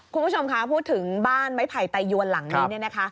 คุณผู้ชมค่ะพูดถึงบ้านไม้ไผ่ไตยวนหลังนี้